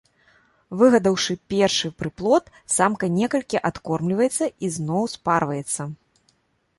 Выгадаваўшы першы прыплод, самка некалькі адкормліваецца і зноў спарваецца.